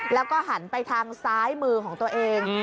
แล้วก็หันไปทางซ้ายมือของตัวเอง